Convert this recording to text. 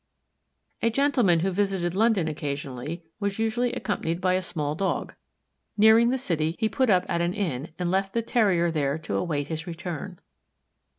A gentleman who visited London occasionally was usually accompanied by a small Dog. Nearing the city, he put up at an inn and left the Terrier there to await his return.